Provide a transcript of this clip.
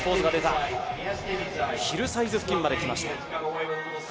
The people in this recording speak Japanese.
ヒルサイズ付近まで来ました。